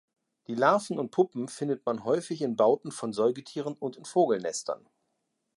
Die Larven und Puppen findet man häufig in Bauten von Säugetieren und in Vogelnestern.